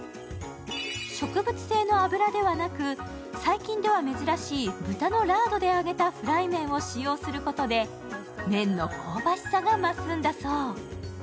植物性の油ではなく、最近では珍しい豚のラードで揚げたフライ麺を使用することで、麺の香ばしさが増すんだそう。